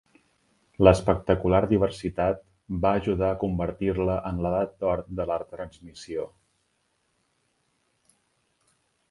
L'espectacular diversitat... va ajudar a convertir-la en l'edat d'or de la retransmissió.